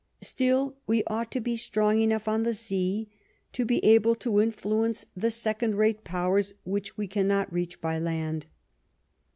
Still, we ought to be strong enough on the sea to be able to influence the second rate Powers which we cannot reach by land.